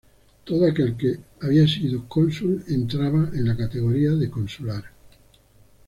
Todo aquel que había sido cónsul entraba en la categoría de consular.